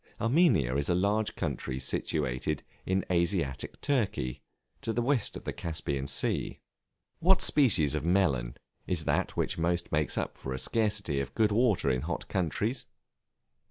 Armenia is a large country situated in Asiatic Turkey, to the west of the Caspian Sea. What species of Melon is that which almost makes up for a scarcity of good water in hot countries?